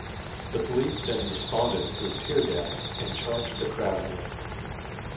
The police then responded with tear gas and charged the crowd again.